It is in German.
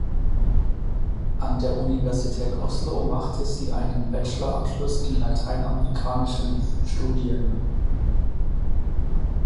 An der Universität Oslo machte sie einen Bachelorabschluss in lateinamerikanischen Studien.